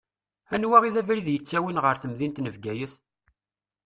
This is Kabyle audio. Anwa i d abrid ittawin ɣer temdint n Bgayet?